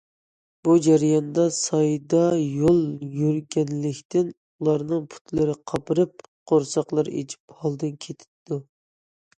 بۇ جەرياندا سايدا يول يۈرگەنلىكتىن، ئۇلارنىڭ پۇتلىرى قاپىرىپ، قورساقلىرى ئېچىپ ھالىدىن كېتىدۇ.